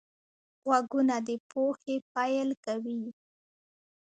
غوږونه د پوهې پیل کوي